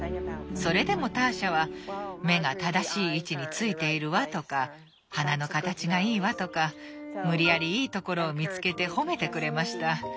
それでもターシャは「目が正しい位置についているわ」とか「鼻の形がいいわ」とか無理やりいいところを見つけて褒めてくれました。